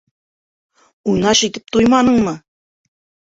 Уйнаш итеп туйманыңмы?